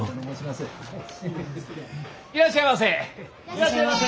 いらっしゃいませ！